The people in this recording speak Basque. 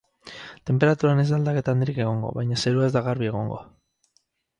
Tenperaturan ez da aldaketa handirik egongo, baina zerua ez da garbi egongo.